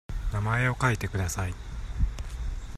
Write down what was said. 名前を書いてください。